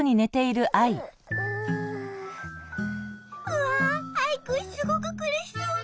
うわアイくんすごくくるしそう。